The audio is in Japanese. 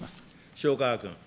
塩川君。